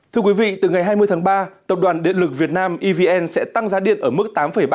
thưa quý vị từ ngày hai mươi tháng ba tập đoàn điện lực việt nam evn sẽ tăng giá điện ở mức tám ba